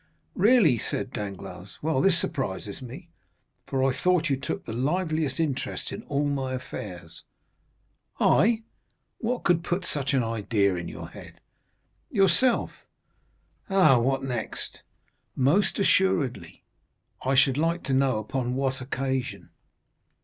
"Really?" said Danglars. "Well, this surprises me, for I thought you took the liveliest interest in all my affairs!" 30243m "I? What could put such an idea into your head?" "Yourself." "Ah?—what next?" "Most assuredly." "I should like to know upon what occasion?"